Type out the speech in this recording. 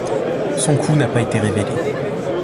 Son coût n'a pas été révélé.